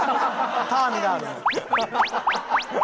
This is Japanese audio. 『ターミナル』。